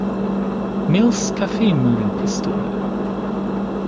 Mills Kaffeemühlenpistole.